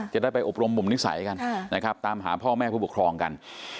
จะได้ไปอบรมนิสัยกันนะครับตามหาพ่อแม่ผู้ปกครองกัน